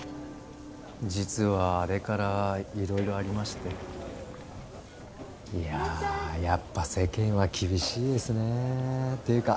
実はあれから色々ありましていややっぱ世間は厳しいですねていうか